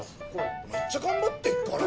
めっちゃ頑張ってっから！